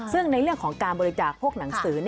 ซึ่งในเรื่องของการบริจาคพวกหนังสือ